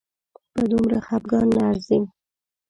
په دومره خپګان نه ارزي